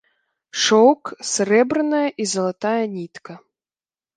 Шоўк, срэбраная і залатная нітка.